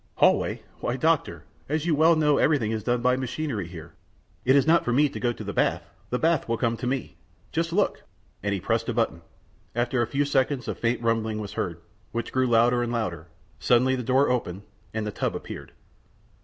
"Hall way? Why, Doctor, as you well know, everything is done by machinery here. It is not for me to go to the bath; the bath will come to me. Just look!" and he pressed a button. After a few seconds a faint rumbling was heard, which grew louder and louder. Suddenly the door opened, and the tub appeared.